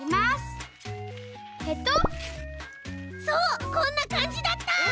そうこんなかんじだった。